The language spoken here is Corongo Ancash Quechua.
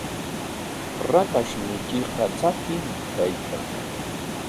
Ratayniykiqa tsakiñam kaykan.